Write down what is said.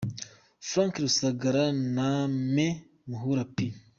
Frank Rusagara na Me Buhuru P.